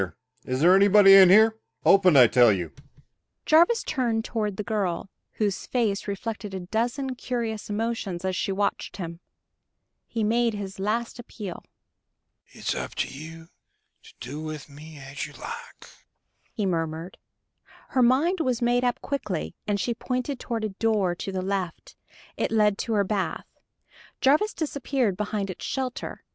Open, I tell you." Jarvis turned toward the girl, whose face reflected a dozen curious emotions as she watched him. He made his last appeal. "It's up to you to do with me as you like," he murmured. Her mind was made up quickly, and she pointed toward a door to the left it led to her bath. Jarvis disappeared behind its shelter.